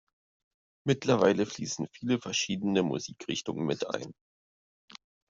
Mittlerweile fließen viele verschiedene Musikrichtungen mit ein.